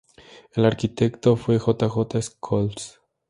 El arquitecto fue J. J. Scholes.